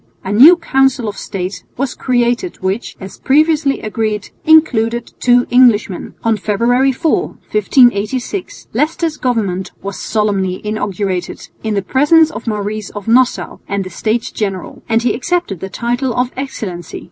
A new Council of State was created which, as previously agreed, included two Englishmen. On February 4, 1586, Leicester's government was solemnly inaugurated in the presence of Maurice of Nassau and the States General, and he accepted the title of "Excellency."